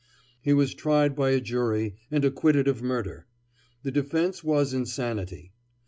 He was tried by a jury and acquitted of murder. The defense was insanity.